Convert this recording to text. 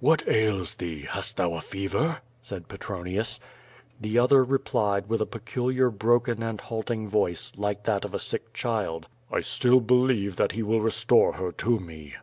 "What ails thee? Hast thou a fever?" said Petronius. The other replied, with a peculiar broken and halting voice, like that of a sick child: "I still believe that He will restore her to me."